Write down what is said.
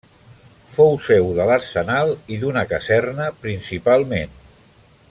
Fou seu de l'arsenal i d'una caserna, principalment.